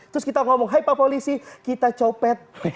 terus kita ngomong hai pak polisi kita copet